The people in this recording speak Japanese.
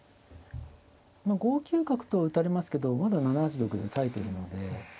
５九角と打たれますけどまだ７八玉で耐えてるので。